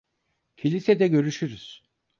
Kilisede görüşürüz.